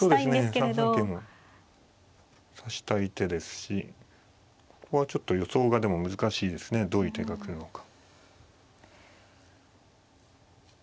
３三桂も指したい手ですしここはちょっと予想がでも難しいですねどういう手が来るのか。